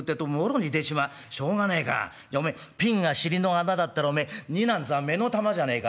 じゃおめえピンが尻の穴だったらおめえ二なんざ目の玉じゃねえか？